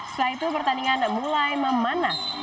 setelah itu pertandingan mulai memanas